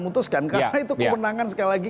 memutuskan karena itu kewenangan sekali lagi